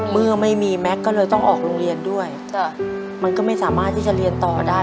เมื่อไม่มีแม็กซ์ก็เลยต้องออกโรงเรียนด้วยมันก็ไม่สามารถที่จะเรียนต่อได้